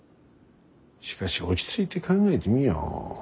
しかし落ち着いて考えてみよ。